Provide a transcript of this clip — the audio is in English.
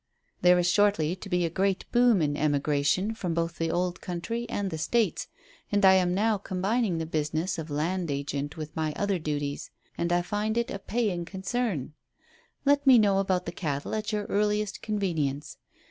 There is shortly to be a great boom in emigration from both the old country and the States, and I am now combining the business of land agent with my other duties, and I find it a paying concern. Let me know about the cattle at your earliest convenience.